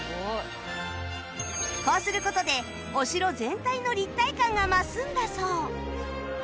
こうする事でお城全体の立体感が増すんだそう